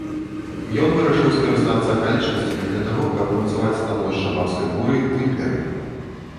Ён вырашыў скарыстацца акалічнасцямі для таго, каб умацаваць становішча папскай курыі ў імперыі.